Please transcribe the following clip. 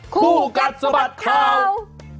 คู่กัดสะบัดข่าว